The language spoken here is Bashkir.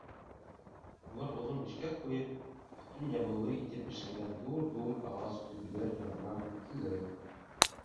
Улар оҙон бешкәк ҡуйып, өҫтөн ябыулы итеп эшләнгән ҙур-ҙур ағас көбөләр янынан үттеләр.